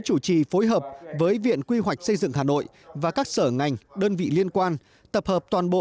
chủ trì phối hợp với viện quy hoạch xây dựng hà nội và các sở ngành đơn vị liên quan tập hợp toàn bộ